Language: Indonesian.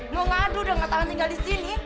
mau ngadu dengan tangan tinggal di sini